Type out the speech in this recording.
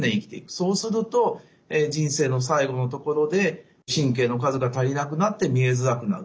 そうすると人生の最後のところで神経の数が足りなくなって見えづらくなる。